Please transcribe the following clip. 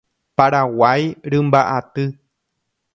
Paraguái rymba'aty.